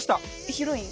ヒロイン？